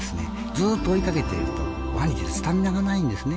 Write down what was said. ずっと追いかけているとワニってスタミナがないんですね。